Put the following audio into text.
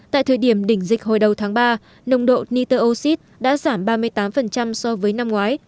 tại thời điểm đỉnh dịch hồi đầu tháng ba nồng độ nitroxid đã giảm ba mươi tám so với năm ngoái